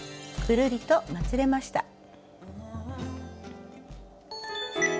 ぐるりとまつれました。